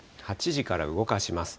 ８時から動かします。